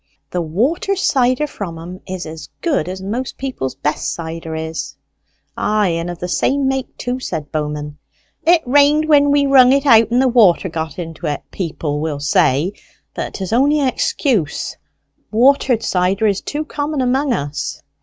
The water cider from 'em is as good as most people's best cider is." "Ay, and of the same make too," said Bowman. "'It rained when we wrung it out, and the water got into it,' folk will say. But 'tis on'y an excuse. Watered cider is too common among us."